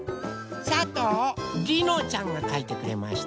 さとうりのちゃんがかいてくれました。